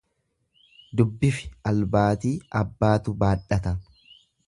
Dubbifi albaatii abbaatu baadhata.